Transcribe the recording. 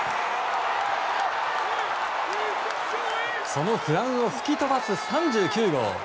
その不安を吹き飛ばす３９号。